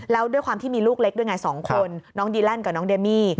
แล้วด้วยความที่มีลูกเล็กด้วยไง๒คนน้องดีแลนดกับน้องเดมี่